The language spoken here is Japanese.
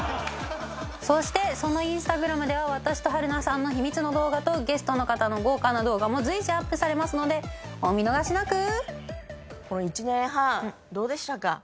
そしてそのインスタグラムでは私と春菜さんの秘密の動画とゲストの方の豪華な動画も随時アップされますのでお見逃しなく！